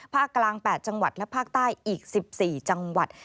ภาคกลาง๘จังหวัดและภาคใต้อีก๑๔จังหวัด